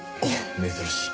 珍しい。